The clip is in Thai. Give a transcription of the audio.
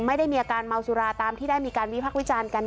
ไม่ได้มีอาการเมาสุราตามที่ได้มีการวิพักษ์วิจารณ์กัน